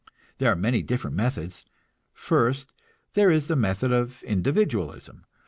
There are many different methods. First, there is the method of individualism.